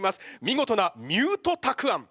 見事なミュートたくあん